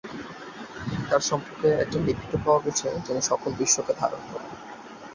তার সম্পর্কে একটি লিপিতে পাওয়া গেছে, "যিনি সকল বিশ্বকে ধারণ করেন"।